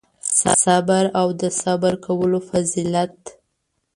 صبر او د صبر کولو فضیلت